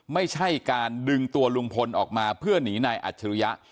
ไม่ใช่การดึงตัวลุงพลออกมาเพื่อหนีนายอัจฉริยะ